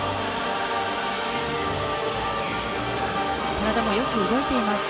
体もよく動いています。